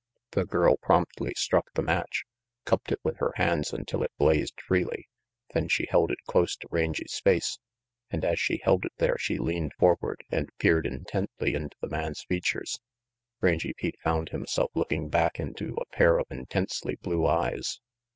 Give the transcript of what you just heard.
The girl promptly RANGY PETE struck the match, cupped it with her hands until it blazed freely, then she held it close to Rangy 's face, and as she held it there she leaned forward and peered intently into the man's features. Rangy Pete found himself looking back into a pair of intensely blue eyes.